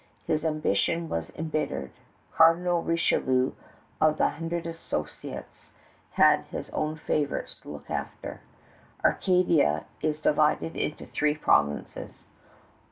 His ambition was embittered. Cardinal Richelieu of the Hundred Associates had his own favorites to look after. Acadia is divided into three provinces.